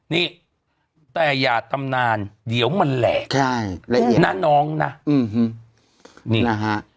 นี่แต่อย่าตำนานเดี๋ยวมันแหลกใช่ละเอียดนะน้องนะนี่นะฮะ